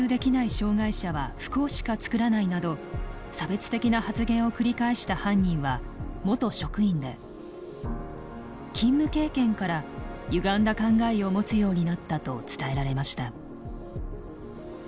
差別的な発言を繰り返した犯人は元職員で勤務経験からゆがんだ考えを持つようになったと伝えられました。